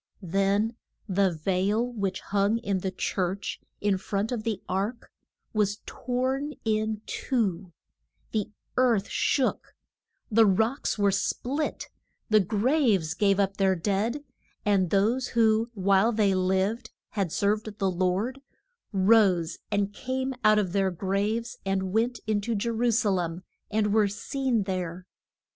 Then the veil which hung in the church, in front of the ark, was torn in two; the earth shook; the rocks were split; the graves gave up their dead, and those who, while they lived, had served the Lord, rose and came out of their graves and went in to Je ru sa lem and were seen there.